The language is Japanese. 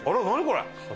これ！